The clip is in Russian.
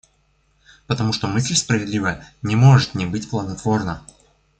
Потому что мысль справедливая не может не быть плодотворна.